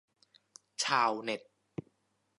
ชาวเน็ต